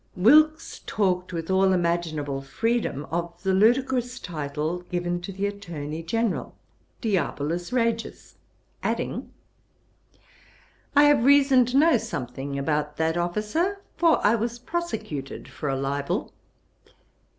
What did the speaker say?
Wilkes talked with all imaginable freedom of the ludicrous title given to the Attorney General, Diabolus Regis; adding, 'I have reason to know something about that officer; for I was prosecuted for a libel.'